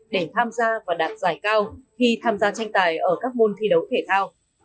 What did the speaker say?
để tham gia và đạt giải cao khi tham gia tranh tài ở các môn thi đấu thể thao